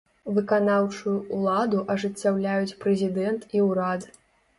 Выканаўчую ўладу ажыццяўляюць прэзідэнт і ўрад.